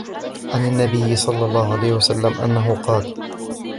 عَنْ النَّبِيِّ صَلَّى اللَّهُ عَلَيْهِ وَسَلَّمَ أَنَّهُ قَالَ